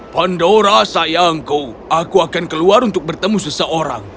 pandora sayangku aku akan keluar untuk bertemu seseorang